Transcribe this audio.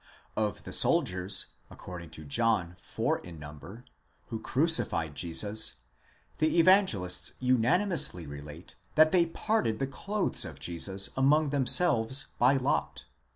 Of the soldiers, according to John four in number, who crucified Jesus, the Evangelists unanimously relate that they parted the clothes of Jesus among themselves by lot.